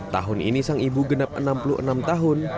tahun ini sang ibu genap enam puluh enam tahun